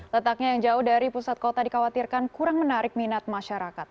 letaknya yang jauh dari pusat kota dikhawatirkan kurang menarik minat masyarakat